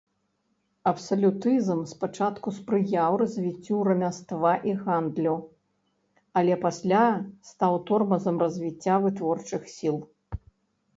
Абсалютызм спачатку спрыяў развіццю рамяства і гандлю, але пасля стаў тормазам развіцця вытворчых сіл.